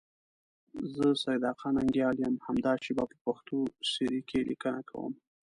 زه سیدآقا ننگیال یم، همدا شیبه په پښتو سیرې کې لیکنه کوم.